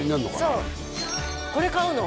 そうこれ買うの？